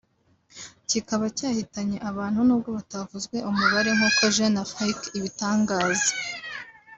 kikaba cyahitanye abantu nubwo batavuzwe umubare nkuko Jeune Afrique ibitangaza